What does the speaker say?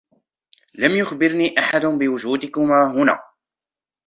لم يخبرني أحد بوجودكما هنا.